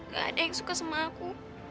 gak ada yang suka sama aku